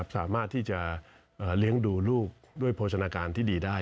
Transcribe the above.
สามารถที่จะเลี้ยงดูลูกด้วยโภชนาการที่ดีได้